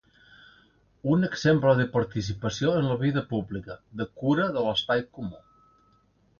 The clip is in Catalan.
Un exemple de participació en la vida pública, de cura de l'espai comú.